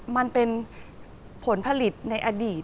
มันเป็นผลผลิตในอดีต